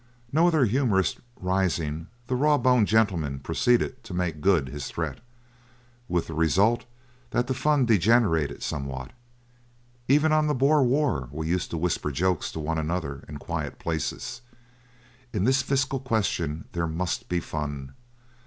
No other humourist rising, the raw boned gentleman proceeded to make good his threat, with the result that the fun degenerated somewhat. Even on the Boer War we used to whisper jokes to one another in quiet places. In this Fiscal question there must be fun.